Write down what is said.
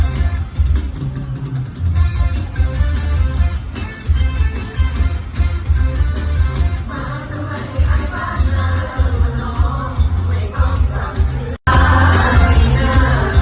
มาทำไมให้ไอ้บ้านเธอมันน้องไม่ต้องกลับชื่อ